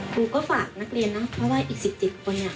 ครูก็ฝากนักเรียนนะครับเพราะว่าอีก๑๐ปีต่อเนี่ย